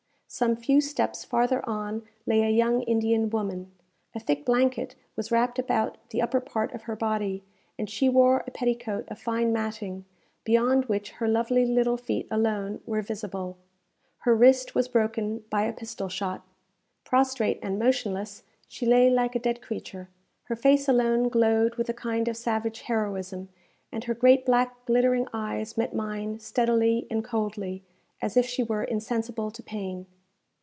Some few steps farther on lay a young Indian woman. A thick blanket was wrapped about the upper part of her body, and she wore a petticoat of fine matting, beyond which her lovely little feet alone were visible. Her wrist was broken by a pistol shot. Prostrate and motionless, she lay like a dead creature. Her face alone glowed with a kind of savage heroism, and her great black glittering eyes met mine steadily and coldly, as if she were insensible to pain.